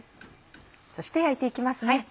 そして焼いていきますね。